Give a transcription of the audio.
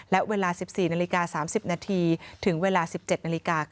และเวลา๑๔น๓๐นถึง๑๗น